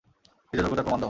নিজের যোগ্যতার প্রমাণ দাও!